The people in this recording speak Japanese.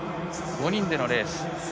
５人でのレース。